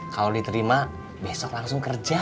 kalau diterima besok langsung kerja